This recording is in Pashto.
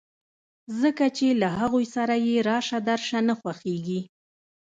ځکه چې له هغوی سره یې راشه درشه نه خوښېږي